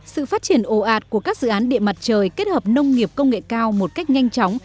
sự phát triển ồ ạt của các dự án điện mặt trời kết hợp nông nghiệp công nghệ cao một cách nhanh chóng